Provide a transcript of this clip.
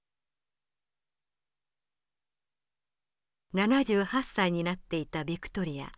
７８歳になっていたヴィクトリア。